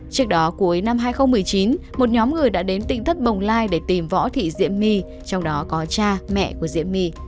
trước đó cuối năm hai nghìn một mươi chín một nhóm người đã đến tỉnh thất bồng lai để tìm võ thị diễm my trong đó có cha mẹ của diễm my